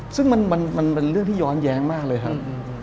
ซึ่งมันเป็นเรื่องที่ย้อนแย้งมากเลยครับ